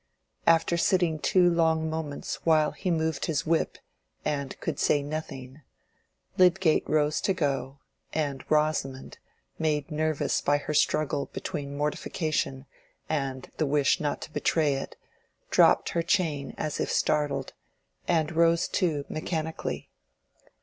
After sitting two long moments while he moved his whip and could say nothing, Lydgate rose to go, and Rosamond, made nervous by her struggle between mortification and the wish not to betray it, dropped her chain as if startled, and rose too, mechanically.